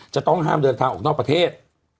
จะต้องห้ามเดินทางออกนอกประเทศ